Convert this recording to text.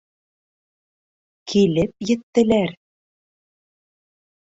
Килеп еттеләр.